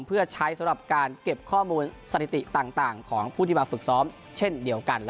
เพื่อใช้สำหรับการเก็บข้อมูลสถิติต่างของผู้ที่มาฝึกซ้อมเช่นเดียวกัน